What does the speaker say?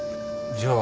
じゃあ。